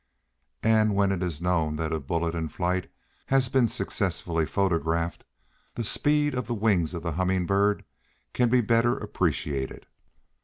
And when it is known that a bullet in flight has been successfully photographed, the speed of the wings of the humming bird can be better appreciated.